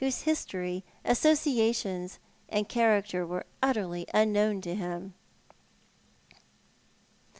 e history, associations, and character were utterly unknown to hira.